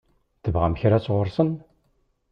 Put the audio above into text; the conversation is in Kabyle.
Tebɣam kra sɣur-sen?